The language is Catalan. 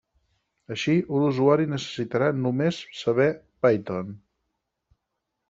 Així, un usuari necessitarà només saber Python.